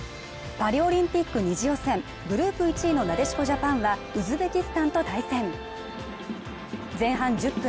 パリオリンピック２次予選グループ１位のなでしこジャパンはウズベキスタンと対戦前半１０分